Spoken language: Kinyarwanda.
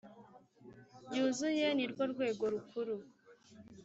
byuzuye nirwo rwego rukuru